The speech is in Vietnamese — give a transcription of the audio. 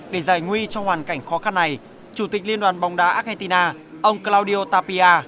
để giải nguy trong hoàn cảnh khó khăn này chủ tịch liên đoàn bóng đá argentina ông claudio tapia